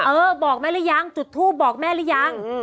เออบอกแม่หรือยังจุดทูปบอกแม่หรือยัง